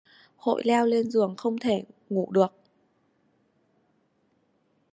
Hội leo lên giường không ngủ được